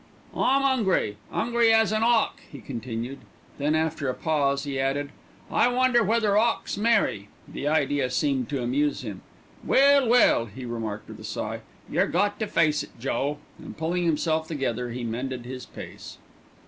"I'm 'ungry, 'ungry as an 'awk," he continued; then after a pause he added, "I wonder whether 'awks marry." The idea seemed to amuse him. "Well, well!" he remarked with a sigh, "yer got to face it, Joe," and pulling himself together he mended his pace.